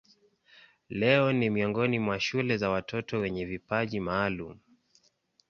Leo ni miongoni mwa shule za watoto wenye vipaji maalumu.